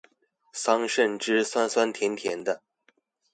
桑椹汁酸酸甜甜的